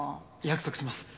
約束します。